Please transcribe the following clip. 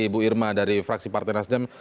ibu irma dari fraksi partai nasdem